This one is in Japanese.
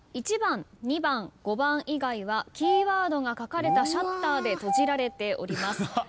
１番２番５番以外はキーワードが書かれたシャッターで閉じられております。